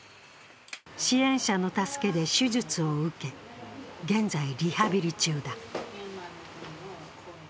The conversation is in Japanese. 支援者の助けで手術を受け、現在、リハビリ中だ。